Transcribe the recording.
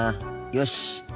よし。